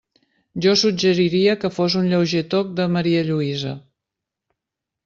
Jo suggeriria que fos un lleuger toc de marialluïsa.